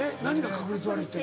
確率悪いって。